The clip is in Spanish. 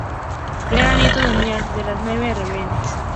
Era nieto de Niall de los Nueve Rehenes.